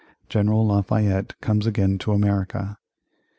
General Lafayette comes again to America 1825.